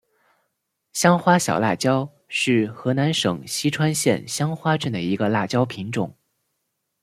香花小辣椒是河南省淅川县香花镇的一个辣椒品种。